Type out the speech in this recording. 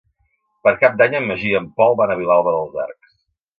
Per Cap d'Any en Magí i en Pol van a Vilalba dels Arcs.